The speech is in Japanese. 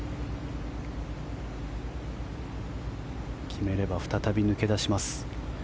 決めれば再び抜け出します。